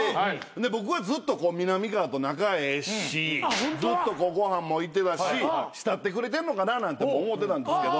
で僕はずっとみなみかわと仲ええしずっとご飯も行ってたし慕ってくれてんのかななんて思うてたんですけど。